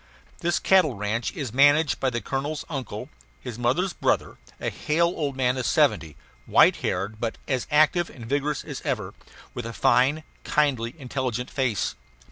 This cattle ranch is managed by the colonel's uncle, his mother's brother, a hale old man of seventy, white haired but as active and vigorous as ever; with a fine, kindly, intelligent face.